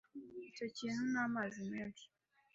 Icyo kintu ni amazi menshi.